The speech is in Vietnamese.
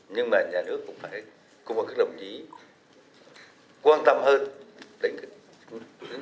nhưng mà nhà nước cũng phải cùng với các đồng chí quan tâm hơn